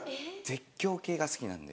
絶叫系が好きなんで。